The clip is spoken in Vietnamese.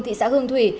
thị xã hương thủy